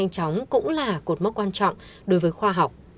nhanh chóng cũng là cột mốc quan trọng đối với khoa học